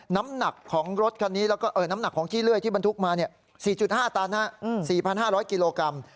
น้ำหนักของรถคันนี้แล้วก็น้ำหนักของขี้เลื่อยที่บรรทุกมา๔๕ตัน๔๕๐๐กิโลกรัม